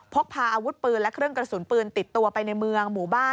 พกพาอาวุธปืนและเครื่องกระสุนปืนติดตัวไปในเมืองหมู่บ้าน